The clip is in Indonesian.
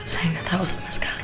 saya nggak tahu sama sekali